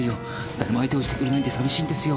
だれも相手をしてくれないんで寂しいんですよ。